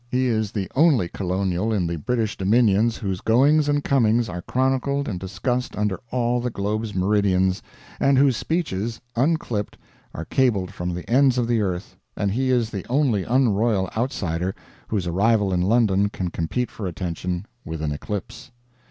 He is the only colonial in the British dominions whose goings and comings are chronicled and discussed under all the globe's meridians, and whose speeches, unclipped, are cabled from the ends of the earth; and he is the only unroyal outsider whose arrival in London can compete for attention with an eclipse.